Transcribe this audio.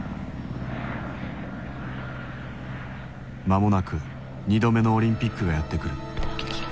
間もなく２度目のオリンピックがやって来る。